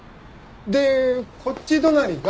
でこっち隣が。